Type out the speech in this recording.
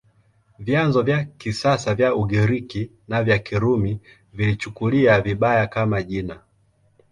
Vyanzo vya kisasa vya Ugiriki na vya Kirumi viliichukulia vibaya, kama jina.